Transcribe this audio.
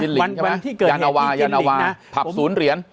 จิตลิงก์ใช่ไหมวันที่เกิดใจให้มาพับศูนย์เหรียญ